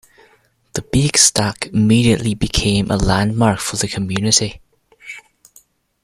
The Big Stack immediately became a landmark for the community.